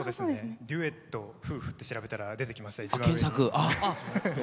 デュエット、夫婦って調べたら出てきました、一番上に。